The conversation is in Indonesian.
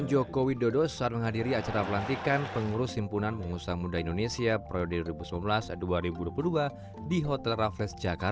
jokowi menyampaikan hal itu langsung di hadapan sandiaga uno dan pengurus hipmi periode dua ribu sembilan belas dua ribu dua puluh dua